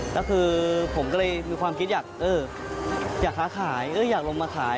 แล้วคือผมก็เลยมีความคิดอยากค้าขายอยากลงมาขาย